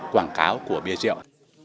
quảng cáo của bia rượu